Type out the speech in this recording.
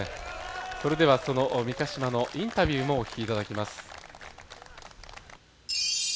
それでは三ヶ島のインタビューをお聞きいただきます。